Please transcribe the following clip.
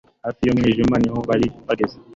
hafi y'umwijima niho bari bageze